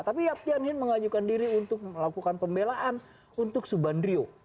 tapi ya tian hin mengajukan diri untuk melakukan pembelaan untuk subandrio